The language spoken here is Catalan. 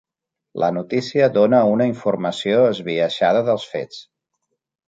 La notícia dona una informació esbiaixada dels fets.